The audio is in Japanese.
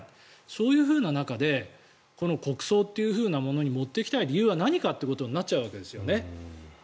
そういう中でこの国葬というものに持っていきたい理由は何かということになっちゃうわけですよね。